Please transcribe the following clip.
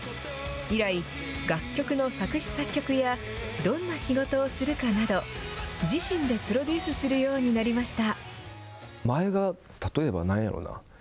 以来、楽曲の作詞作曲やどんな仕事をするかなど、自身でプロデュースするようになりました。